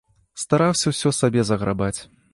Стараўся ўсё сабе заграбаць.